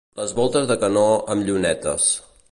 Les voltes de canó amb llunetes.